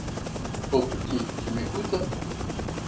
Oh, petit, tu m’écoutes ?